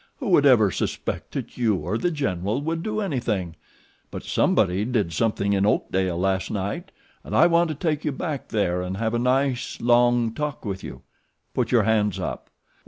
"Who would ever suspect that you or The General would do anything; but somebody did something in Oakdale last night and I want to take you back there and have a nice, long talk with you. Put your hands up!"